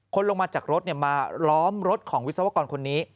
ลงมาจากรถมาล้อมรถของวิศวกรคนนี้